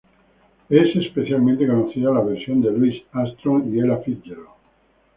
Es especialmente conocida la versión de Louis Armstrong y Ella Fitzgerald.